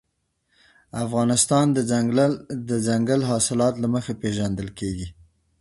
افغانستان د دځنګل حاصلات له مخې پېژندل کېږي.